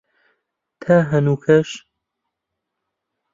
تا هەنووکەش